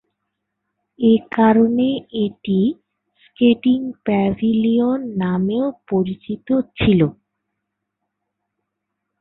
এ কারণে এটি "skating pavilion" নামেও পরিচিত ছিল।